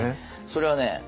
それはね